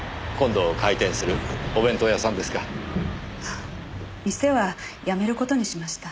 店はやめる事にしました。